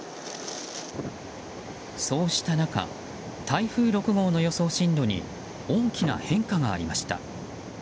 そうした中台風６号の予想進路に大きな変化がありました。